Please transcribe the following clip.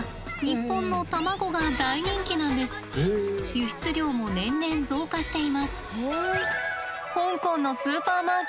輸出量も年々増加しています。